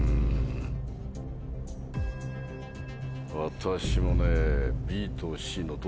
私もね。